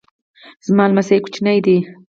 زما لمسی کوچنی دی